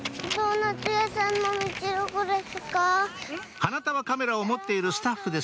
花束カメラを持っているスタッフです